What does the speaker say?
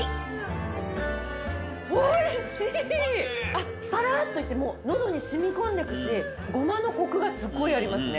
あっサラっといって喉に染み込んでくしゴマのコクがすっごいありますね。